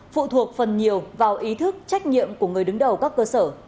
phụ thuộc phần nhiều vào ý thức trách nhiệm của người đứng đầu các cơ sở